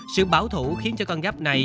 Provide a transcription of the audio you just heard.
sự bảo thủ khiến cho con giáp này